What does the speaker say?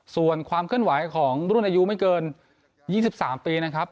ส่วนความเคลื่อนไหวของรุ่นอายุไม่เกิน๒๓ปีนะครับ